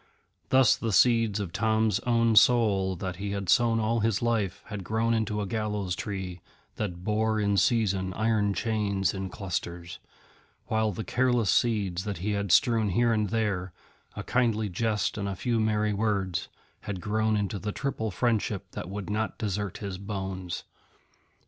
Thus the seeds of Tom's own soul that he had sown all his life had grown into a Gallows Tree that bore in season iron chains in clusters; while the careless seeds that he had strewn here and there, a kindly jest and a few merry words, had grown into the triple friendship that would not desert his bones.